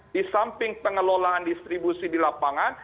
di samping pengelolaan distribusi di lapangan